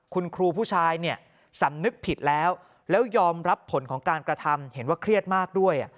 คุณครูผู้ชายเนี่ยสำนึกผิดแล้วแล้วยอมรับผลของการกระทำเห็นว่าเครียดมากด้วย